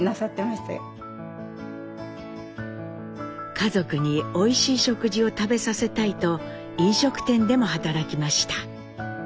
家族においしい食事を食べさせたいと飲食店でも働きました。